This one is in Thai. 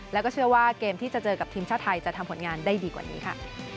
แล้วก็เชื่อว่าเกมที่จะเจอกับทีมชาติไทยจะทำผลงานได้ดีกว่านี้ค่ะ